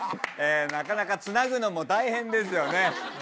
なかなかつなぐのも大変ですよね。